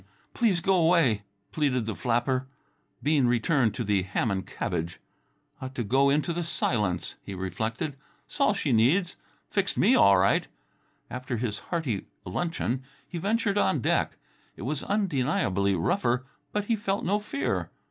"Please go away," pleaded the flapper. Bean returned to the ham and cabbage. "Ought to go into the silence," he reflected. "'S all she needs. Fixed me all right." After his hearty luncheon he ventured on deck. It was undeniably rougher, but he felt no fear.